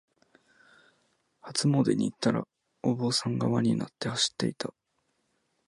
初詣に行ったら、お坊さんが輪になって走っていた。